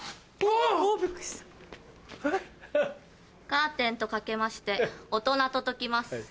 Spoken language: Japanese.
カーテンと掛けまして大人と解きます。